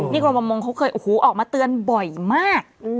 นี่กรณบำมงเขาเคยออกมาเตือนบ่อยมาก